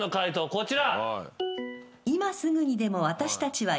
こちら。